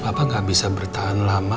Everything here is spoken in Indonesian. papa gak bisa bertahan lama